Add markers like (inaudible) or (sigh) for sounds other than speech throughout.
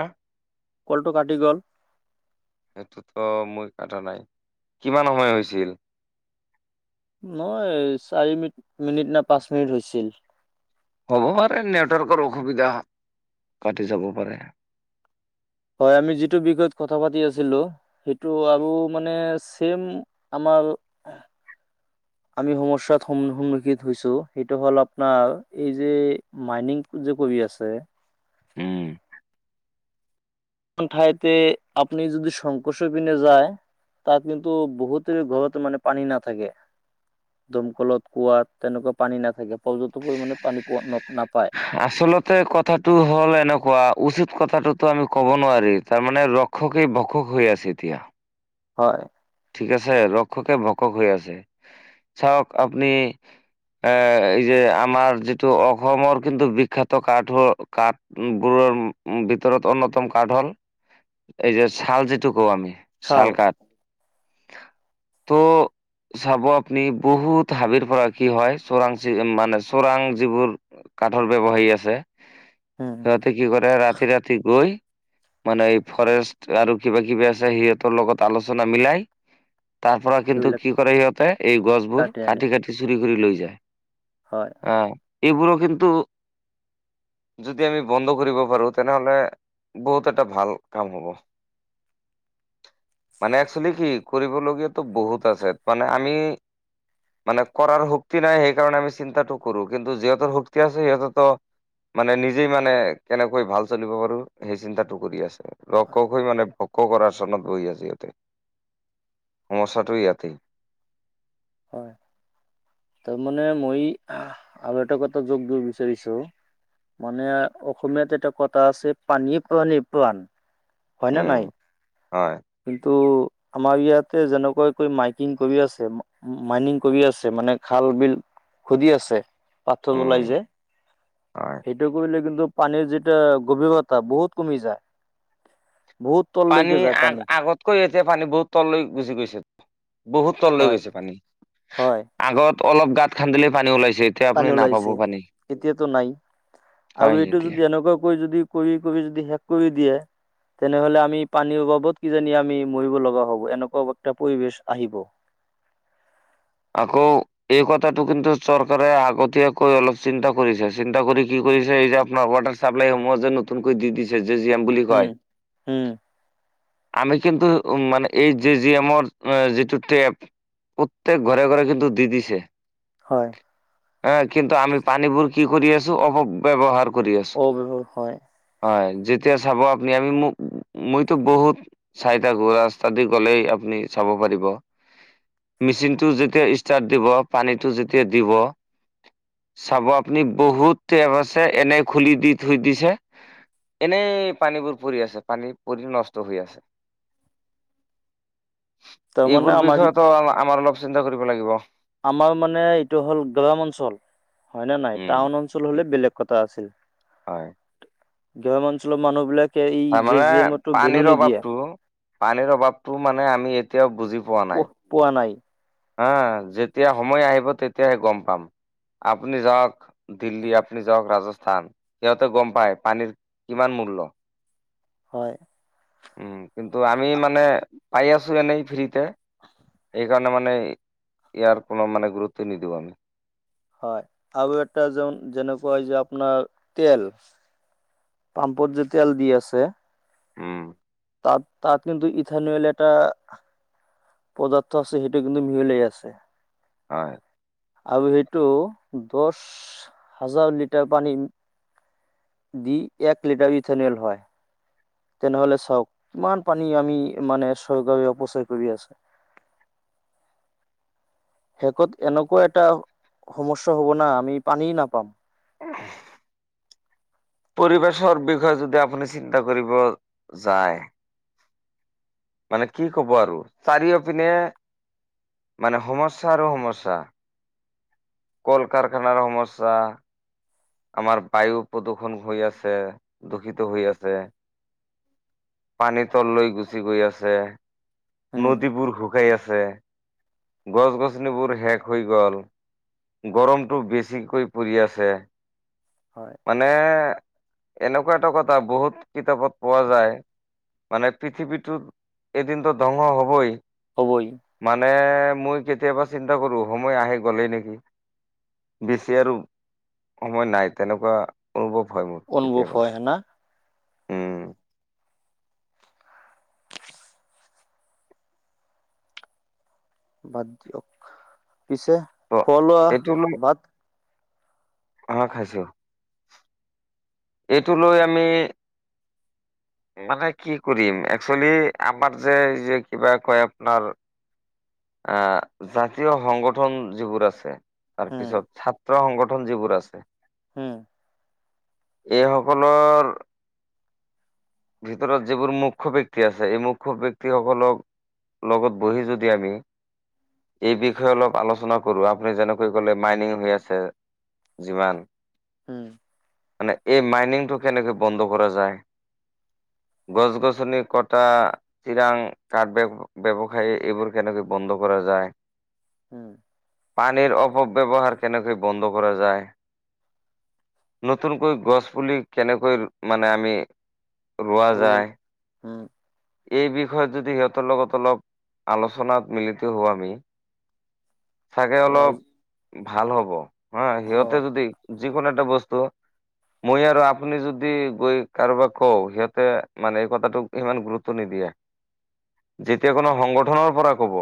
আঁহ। কলটো কাটি গ'ল। সেইটোতো মই কটা নাই কিমান সময় হৈছিল? নয় চাৰি মিনিট মিনিট না পাঁচ মিনিট হৈছিল। হ'ব পাৰে নেটৱৰ্কৰ অসুবিধা কাটি যাব পাৰে। হয় আমি যিটো বিষয়ত কথা পাতি আছিলো সেইটো আৰু মানে ছেম আমাৰ ভাল আমি সমস্যাত সন্মুখীন হৈছো সেইটো হ'ল আপোনাৰ এই যে মাইনিং যে কৰি আছে উম। সেইখন ঠাইতে আপনি যদি সংকোচ হৈ পিনে যায় তাত কিন্তু বহুতে ঘৰত মানে পানী নাথাকে। দমকলত, কুঁৱাত তেনেকুৱা পানী নাথাকে প্ৰযুক্তি আচলতে কথাটো হল এনেকুৱা উচিত কথাটোতো আমি ক'ব নোৱাৰি, তাৰমানে ৰক্ষকেই ভক্ষক হৈ আছে এতিয়া। হয়। ঠিক আছে ৰক্ষকে ভক্ষক হৈ আছে। চাওক আপনি এ এই যে আমাৰ যিটো অসমৰ কিন্তু বিখ্যাত কাঠ কাঠবোৰ ৰম ভিতৰত অন্যতম কাঠ হল এই যে ছাল যিটো কওঁ আমি চাল চালকাট। (unintelligible) ত চাব আপুনি বহুত হাবিৰ পৰা কি হয়, চোৰাং চি মানে চোৰাং যিবোৰ কাঠৰ ব্যৱসায় আছে, উম, সিহঁতে কি কৰে ৰাতি- ৰাতি গৈ মানে ফৰেষ্ট আৰু কিবা- কিবি আছে সিহঁতৰ লগত আলোচনা মিলাই তাৰ পৰা কিন্তু এইবিলাক কি কৰে সিহঁতে এই গছবোৰ কাটি- কাটি চুৰি কৰি লৈ যায়। হয় আহ, এইবোৰো কিন্তু যদি আমি বন্ধ কৰিব পাৰো তেনেহলে বহুত এটা ভাল কাম হব। (unintelligible) মানে একচলি কি কৰিবলগীয়াতো বহুত আছে, মানে আমি মানে কৰাৰ শক্তি নাই সেইকাৰণে আমি চিন্তাটো কৰো কিন্তু যিহঁতৰ শক্তি আছে সিহঁতেত মানে নিজেই মানে কেনেকৈ ভাল চলিব পাৰো সেই চিন্তাটো কৰি আছ হয় ৰক্ষকে হৈ মানে ভক্ষ কৰাৰ চনত বহি আছে ইহঁতে। সমস্যাটো ইয়াতেই। হয়। তাৰ মানে মই আৰু এটা কথা যোগ দোৰ বিচাৰিছো মানে অসমীয়াত এটা কথা আছে, পানী প্ৰাণী প্ৰাণ। হয় ন উম নাই হয় কিন্তু আমাৰ ইয়াতে যেনেকুৱা কৈ মাইকিং কৰি আছে, মা মাইনিং কৰি আছে, মানে খাল -বিল খুজি আছে। পাথৰ ওলাই উম যে, হয় সেইটো কৰিলে কিন্তু পানীৰ যিত তা গভীৰতা বহুত কমি যায়। বহুত তললৈকে পানী যায় আগ -আগতকৈ এতিয়া পানী বহুত তললৈ গুচি গৈছে। বহুত তললৈ হয় গৈছে পানী, হয় আগত অলপ গাঁত খান্দিলে পানী ওলাই পানী ওলাইছে, এতিয়াটো নাই হয় আৰু এইটো এতিয়া যদি এনেকুৱাকৈ যদি কৰি কৰি যদি শেষ কৰি দিয়ে তেনেহলে আমি পানীৰ অভাবত কিজানি আমি মৰিব লগা হব এনেকুৱা এটা পৰিবেশ আহিব। (unintelligible) আকৌ এই কথাটো কিন্তু চৰকাৰে আগতীয়াকৈ অলপ চিন্তা কৰিছে, চিন্তা কৰি কি এই যে এই যে আপোনাৰ ৱাটাৰ চাপ্লাইসমূহ যে নতুনৈ দি দিছে যে মিউজিয়াম বুলি কয়। উম উম আমি কিন্তু উম মানে এই জে জি এমৰ যিটো টেপ প্ৰত্যেক ঘৰে ঘৰে কিন্তু দি দিছে। হয়। এ কিন্তু আমি পানীবোৰ কি কৰি আছো অপব্যৱহাৰ কৰি আছো, অ হয় হয় যেতিয়া চাব আপুনি আমি মোক মইতো বহুত চাই থাকো ৰাস্তা দি গলেই আপুনি চাব পাৰিব। মেচিনটো যেতিয়া ষ্টাৰ্ট দিব, পানীটো যেতিয়া দিব চাব আপুনি বহুত টেপ আছে এনে খুলি দি থৈ দিছে। এনেই পানীবোৰ পৰি আছে, পানী পৰি নষ্ট হৈ আছে। (inaudible) তাৰমানে এইবোৰ আমাৰ বিষয়েতো আ আমাৰ অলপ চিন্তা কৰিব লাগিব। আমাৰ মানে এইটো হ'ল গ্ৰাম অঞ্চল হয় নে নাই? উম টাউন অঞ্চল হলে বেলেগ কথা আছিল। হয় গ্ৰাম অঞ্চলৰ মানুহবিলাক হয় মানে পানীৰ অভাৱটো পানীৰ অভাৱটো মানে আমি এতিয়াও বুজি পোৱা নাই। প পোৱা নাই হা যেতিয়া সময় আহিব তেতিয়াহে গম পাম। আপুনি যাওক দিল্লী আপুনি যাওক ৰাজস্থান সিহঁতে গম পায় পানীৰ কিমান মূল্য হয়। উম কিন্তু আমি মানে পাই আছো এনেই ফ্ৰীতে সেইকাৰণে মানে ইয়াৰ কোনো মানে গুৰুত্বই নিদিওঁ আমি হয় আৰু এটা যেন যেনেকোৱা হয় যে আপোনাৰ তেল পাম্পত যে তেল দি আছে উম তাত তাত কিন্তু ইথানুৱল এটা পদাৰ্থ আছে সেইটো কিন্তু মিহিলি হৈ আছে হয় আৰু সেইটো দহ হাজাৰ লিটাৰ পানী দি এক লিটাৰ ইথানুৱেল হয় তেনেহলে চাওক কিমান পানী আমি মানে চয়ক অপচয় কৰি আছে (unintelligible) শেষত এনেকোৱা এটা সমস্যা হব না আমি পানী নাপাম অহ পৰিবেশৰ বিষয়ে যদি আপুনি চিন্তা কৰিব যায় মানে কি কব আৰু চাৰিওপিনে মানে সমস্যা আৰু সমস্যা কল কাৰখানাৰ সমস্যা আমাৰ বায়ু প্ৰদূষণ হৈ আছে দূষিত হৈ আছে পানী তল লৈ গুচি গৈ আছে উম নদীবোৰ শুকাই আছে গছ গছনিবোৰ শেষ হৈ গল। গৰমটো বেছিকৈ পৰি আছে হয় মানে এনেকোৱা এটা কথা বহুত কিতাপত পোৱা যায়। মানে পৃথিৱীটো এদিনতো ধ্বংস হ'বই হ'বই মানে মই কেতিয়াবা চিন্তা কৰো সময় আহে গ'লেই নেকি বেছি আৰু সময় নাই তেনেকোৱা অনুভৱ হয় মোৰ অনুভৱ কেতিয়াবা হয় হনা উম বাদ দিয়ক পিছে ত' খোৱা লোৱা এইটো লৈ ভাত হা খাইছো এইটো লৈ আমি (inaudible) মানে কি কৰিম একচেলি আমাৰ যে যে কিবা কয় আপোনাৰ আহ জাতীয় সংগঠন যিবোৰ আছে উম তাৰপিছত ছাত্ৰ সংগঠন যিবোৰ আছে হম এইসকলৰ ভিতৰত যিবোৰ মুখ্য ব্যক্তি আছে এই মুখ্য ব্যক্তিসকলক লগত বহি যদি আমি এই বিষয়ে অলপ আলোচনা কৰো আপুনি যেনেকৈ কলে মাইনিং হৈ আছে যিমান উম মানে এই মাইনিং টো কেনেকে বন্ধ কৰা যায় (unintelligible) গছ গছনি কটা, চিৰাং কাঠ ব্যৱসায়ী এইবোৰ কেনেকৈ বন্ধ কৰা। যায়। উম। পানী অপব্যৱহাৰ কেনেকৈ বন্ধ কৰা যায়। নতুনকৈ গছ পুলি কেনেকৈ মানে আমি ৰোৱা ৰুল যায়। উম। এই বিষয়ত যদি সিহঁতৰ লগত অলপ আলোচনাত মিলিত হওঁ আমি। চাগে অলপ ৰাইজ ভাল হ'ব হা সিহঁতে হয় যদি যিকোনো এটা বস্তু। টো। মই আৰু আপুনি যদি গৈ কাৰোবাক কও, সিহঁতে মানে এই কথাটোক ইমান গুৰুত্ব। নিদিয়া যেতিয়া কোনো সংগঠনৰ পৰা কব।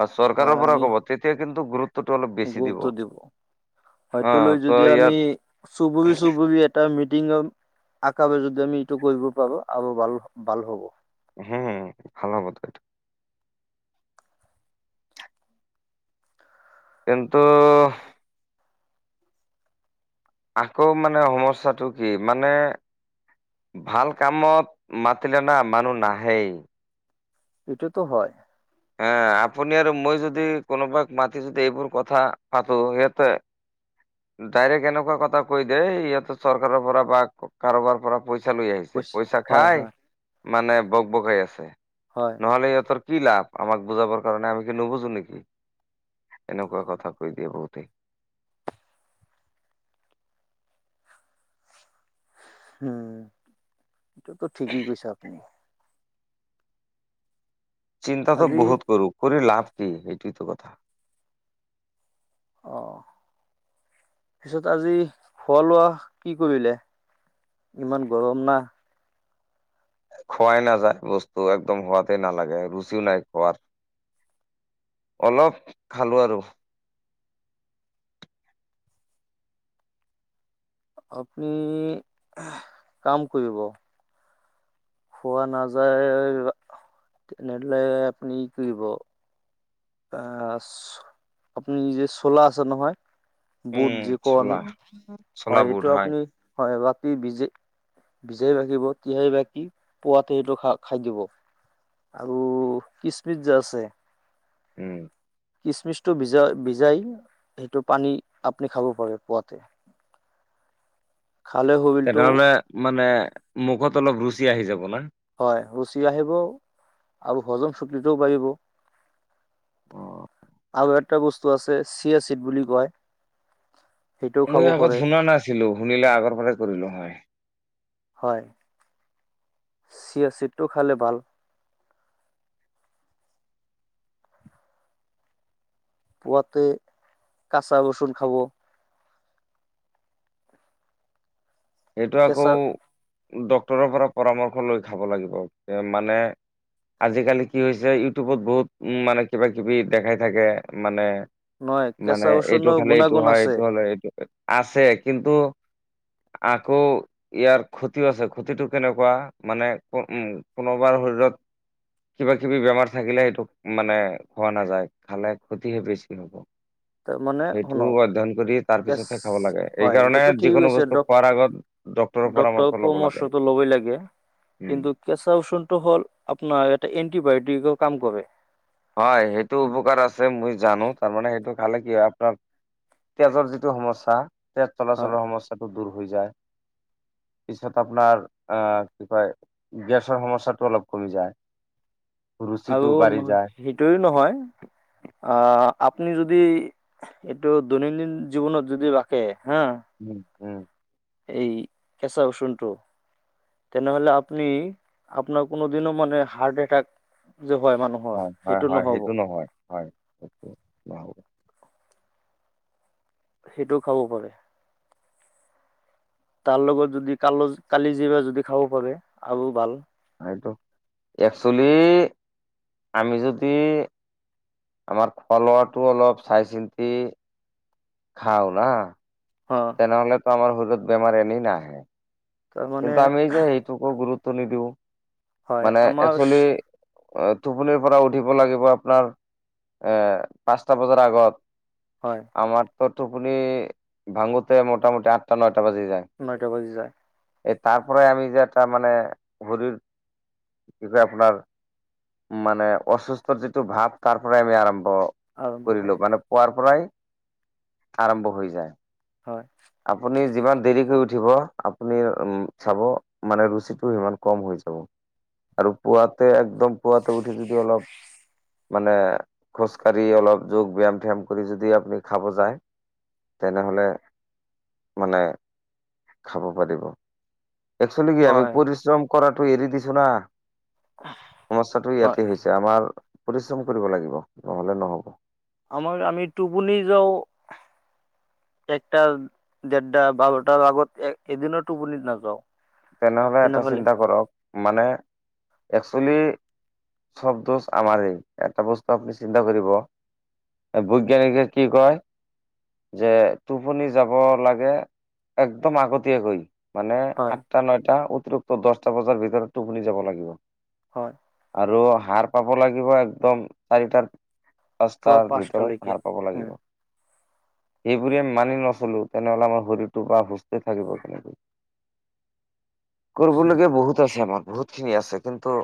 বা চৰকাৰৰ হয় পৰা আমি ক'ব তেতিয়া কিন্তু গুৰুত্বটো অলপ বেছি দিব। হয়তো অ' লৈ ত' যদি আমি ইয়াত চুবুৰি চুবুৰি এটা মি। তিনজন আকা যদি আমি এইটো কৰিব পাৰো আৰু বাল ভাল হ'ব। হম ভাল হবটো সেটো। কিন্তু। আকৌ মানে সমস্যাটো কি মানে? ভাল কামত মাতিলে না মানুহ নাহেই। এইটোৱেটো হয়। হা আপুনি আৰু মই যদি কোনোবাক মাতি যদি এইবোৰ কথা পাতো। সিহঁতে। ডাইৰেক্ট এনেকুৱা কথা কৈ দে, ইহতে চৰকাৰৰ পৰা বা কাৰোবাৰ পৰা। পইচা লৈ আহিছে। কৈছে পইচা হয় খাই হয় মানে বক বকাই আছে। হয় নহলে সিহঁতৰ। আমাক বুজাবৰ কাৰণে আমি কি নুবুজো নেকি। এনেকুৱা কথা কৈ দিয়ে বহুতেই। (unintelligible) উম। এইটোতো ঠিকেই কৈছে আপুনি। চিন্তাটো আজি বহুত কৰো কৰি লাভ কি? এইটোৱেতো কথা। অহ। পিছত আজি খোৱা লোৱা কি কৰিলে? ইমান গৰম না। খোৱাই নাযায় বস্তু একদম হোৱাতেই নালাগে ৰুচিও নাই খোৱা। অলপ খালোঁ আৰু। আপুনি কাম কৰিব। খোৱা নাযায় তেনেলে আপুনি কি কৰিব? আপুনি যে চলা আছে নহয়। বুট উম যি কও আমি। চোলা চোলা হয় বুট এইটো আপুনি হয়। টি ভিজে ভিজাই ৰাখিব। তিয়াই বাকি পোৱাতে সেইটো খা খাই দিব। আৰু কিচমিচ যে আছে। উম। কিচমিচটো ভজই ভিজাই সেইটো পানী আপুনি খাব পাৰে পুৱাতে। (unintelligible) শৰীৰটো তেনেহলে মানে মুখত অলপ ৰুচি আহি যাব না। হয় সূচী আহিব আৰু হজম চুক্তিটোও বাঢ়িব। অ। আৰু এটা বস্তু আছে চিয়ে চিট বুলি কয়। সেইটোও মই খাব আগত পাৰে শুনা নাছিলো, শুনিলে আগৰ পৰা কৰিলো হয়। হয়। চিয়াচিটটো খালে ভাল। পুৱাতে কাচা ৰচোন খাব। সেইটো আকৌ কেঁচা ডক্তৰৰ পৰা পৰামৰ্শ লৈ খাব লাগিব। মানে। আজিকালি কি হৈছে ইউটিউবত বহুত উ মানে কিবা কিবি দেখাই থাকে মানে। নহয় কেঁচা মানে এইটো ৰচুনৰ খালে এইটো গুণাগুণ হয়, আছে এইটো হ'লে এইটো। আছে কিন্তু আকৌ ইয়াৰ ক্ষতিও আছে ক্ষতিটো কেনেকুৱা মানে উম পুনৰবাৰ শৰীৰত (inaudible) কিবা কিবি বেমাৰ থাকিলে সেইটো মানে খোৱা নাযায়। খালে ক্ষতিহে বেছি হব। তাৰমানে সেইটো শুনক অধ্যয়ন কৰি তাৰ কেচ পিছতহে খাব লাগে। হয় এইকাৰণে যিকোনো বস্তু মুখৰ আগত ডক্তৰৰ ডক্তৰ পৰামৰ্শ ল'ব লাগে পৰমৰ্শটো ল'বই লাগে। উম কিন্তু কেঁচা উষুণটো হল আপোনাৰ এটা এন্টিবায়টিক কাম কৰে। হয় সেইটো উপকাৰ আছে মই জানো তাৰমানে সেইটো খালে কি হয় আপোনাৰ তেজৰ যিটো সমস্যা তেজ হয় চলাচলৰ সমস্যাটো দূৰ হৈ যায়। পিছত আপোনাৰ আহ কি কয় গেছৰ সমস্যাটো অলপ কমি যায়। আৰু ৰুচিটো বাঢ়ি নহয় যায় সেইটোয়ে নহয়। অ আপুনি যদি এইটো দৈনন্দিন জীৱনত যদি ৰাখে। হা। উম উম। এই কেঁচা ৰচুনটো তেনেহলে আপুনি আপোনাৰ কোনো দিনো মানে হাৰ্ট এটেক যে হয় মানুহৰ হয় সেইটো হয় নহব। নহয় হয় সেইটো নহ'ব সেইটোও খাব পাৰে। তাৰ লগত যদি কাল কালি যি বা যদি খাব পাৰে আৰু ভাল। সেইটো একচুৱেলি আমি যদি আমাৰ খোৱা লোৱাটো অলপ চাই চিন্তি খাও না। অ তেনেহলেতো আমাৰ শৰীৰত বেমাৰ এনেই নাহে। তাৰমানে কিন্তু আমি যে সেইটোকো গুৰুত্ব নিদিও হয় মানে আমাৰ একচলি এ টোপনিৰ পৰা উঠিব লাগিব আপোনাৰ এ পাঁচটা বজাৰ আগত। হয় আমাৰতো টোপনি ভাঙোতে মোটামুটি আঠটা ন নটা বাজি যায়। এই তাৰ পৰাই আমি যে এটা মানে শৰিৰ কি কয় আপোনাৰ মানে অসুস্থৰ যিটো ভাৱ তাৰ পৰাই আমি আৰম্ভ ম্ আৰম্ভ হয় কৰিলো মানে পোৱাৰ পৰাই আৰম্ভ হৈ যায়। হয় আপুনি যিমান দেৰি কৰি উঠিব, আপুনি উ চাব মানে ৰুচিটো সিমান কম হৈ যাব আৰু পুৱাতে একদম পুৱাতে উঠি যদি অলপ মানে খোজকাঢ়ি অলপ যোগ ব্যায়াম ঠিয়াম কৰি যদি আপুনি খাব যায় তেনেহলে মানে খাব পাৰিব। একচোৱেলি কি আমি হয় পৰিশ্ৰম কৰাটো এৰি দিছো না, সমস্যাটো হয় ইয়াতে হৈছে আমাৰ পৰিশ্ৰম কৰিব লাগিব নহলে নহব। আমাৰ আমি টোপনি যাওঁ একটা ডেৰটা বাৰটাৰ আগত এ এদিনো টোপনি নাযাও। তেনেহ'লে এটা চিন্তা কৰক মানে একচুৱেলি চব দোষ আমাৰেই এটা বস্তু আপুনি চিন্তা কৰিব বৈজ্ঞানিকে কি কয় যে টোপনি যাব লাগে একদম আগতীয়াকৈ। মানে হয় আঠটা নটা অতিৰিক্ত দশটা বজাৰ ভিতৰত টোপুনি যাব লাগিব। হয়। আৰু সাৰ পাব লাগিব একদম চাৰিটাৰ পুৱা পাঁচটাৰ ভিতৰত পাঁচটালৈকে সাৰ পাব উম। লাগিব। (inaudible) সেইবোৰে আমি মানি নচলো তেনেহলে আমাৰ শৰীৰটো বা সুস্থ থাকিব কেনেকৈ। কৰিবলগীয়া বহুত আছে আমাৰ বহুতখিনি আছে কিন্তু